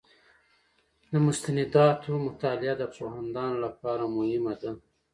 د مستنداتو مطالعه د پوهاندانو لپاره مهمه ده.